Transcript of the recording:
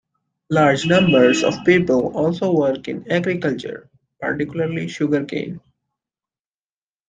Large numbers of people also work in agriculture, particularly sugarcane.